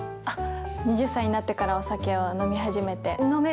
２０歳になってから、お酒を飲み始めて。